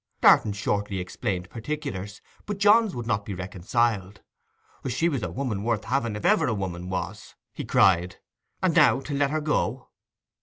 Darton shortly explained particulars; but Johns would not be reconciled. 'She was a woman worth having if ever woman was,' he cried. 'And now to let her go!